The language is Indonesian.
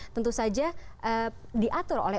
tentu saja diatur oleh